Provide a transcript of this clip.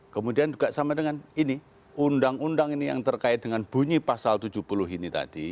kemudian juga sama dengan ini undang undang ini yang terkait dengan bunyi pasal tujuh puluh ini tadi